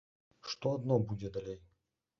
Што адно будзе далей!